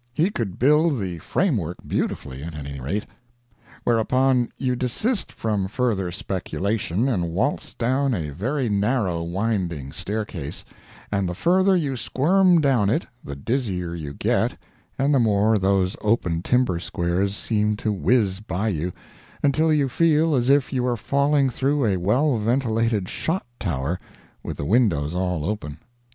He could build the frame work beautifully at any rate. Whereupon, you desist from further speculation, and waltz down a very narrow winding staircase, and the further you squirm down it the dizzier you get and the more those open timber squares seem to whiz by you, until you feel as if you are falling through a well ventilated shot tower with the windows all open.